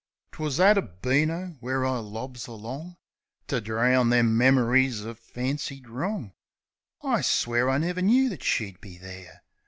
'Twas at a beano where I lobs along To drown them memories o' fancied wrong. I swears I never knoo that she'd be there.